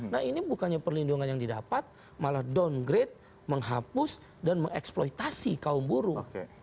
nah ini bukannya perlindungan yang didapat malah downgrade menghapus dan mengeksploitasi kaum buruh